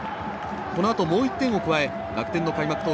このあともう１点を加え楽天の開幕